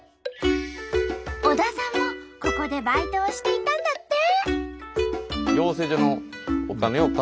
小田さんもここでバイトをしていたんだって！